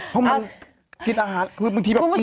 เพราะมันกินอาหารคือบางทีแบบกิน